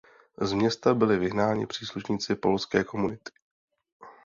Z města byli vyhnáni příslušníci polské komunity.